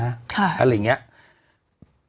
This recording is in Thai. ค่ะค่ะอะไรอย่างนี้ค่ะอะไรอย่างนี้